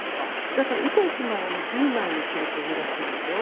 だから板１枚をね１０枚に切るといいらしいですよ。